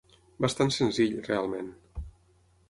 Bastant senzill, realment.